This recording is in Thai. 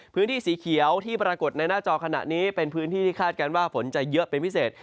พื้นที่สีเขียวที่ปรากฏในหน้าจอขณะนี้เป็นพื้นที่ที่คาดการณ์ว่าฝนจะเยอะเป็นพิเศษ